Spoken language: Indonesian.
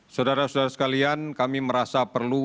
saudara saudara sekalian kami merasa perlu